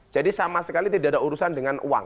jadi sama sekali tidak ada urusan dengan uang